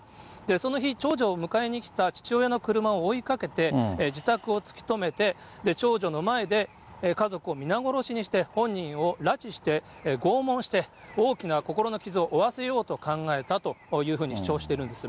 その日、長女を迎えに来た父親の車を追いかけて、自宅を突き止めて、長女の前で家族の皆殺しにして、本人を拉致して拷問して大きな心の傷を負わせようと考えたというふうに主張しているんです。